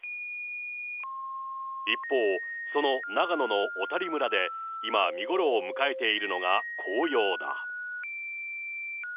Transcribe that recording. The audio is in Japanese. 一方、その長野の小谷村で、今、見頃を迎えているのが紅葉だ。